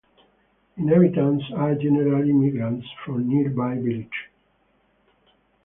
Inhabitants are generally migrants from nearby villages.